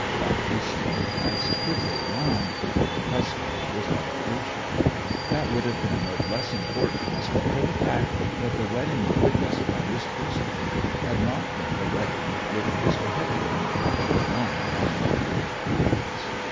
Baptista glanced quickly around; her husband was out of earshot. That would have been of less importance but for the fact that the wedding witnessed by this personage had not been the wedding with Mr. Heddegan, but the one on the day previous.